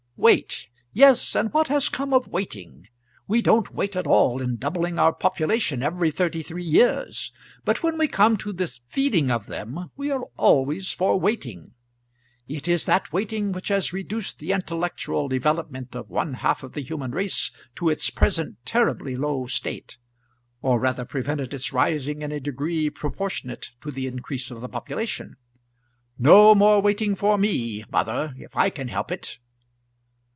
"Wait! Yes, and what has come of waiting? We don't wait at all in doubling our population every thirty three years; but when we come to the feeding of them we are always for waiting. It is that waiting which has reduced the intellectual development of one half of the human race to its present terribly low state or rather prevented its rising in a degree proportionate to the increase of the population. No more waiting for me, mother, if I can help it."